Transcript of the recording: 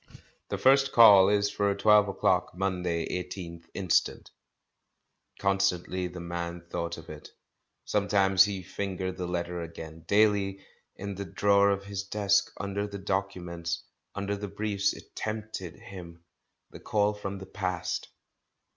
"The first Call is for twelve o'clock, Monday, 18th instant." Constantly the man thought of it, sometimes he fingered the letter again; daily, in the drawer of his desk, under the documents, under the briefs, it tempted him — the Call from the past.